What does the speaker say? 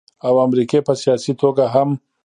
او امريکې په سياسي توګه هم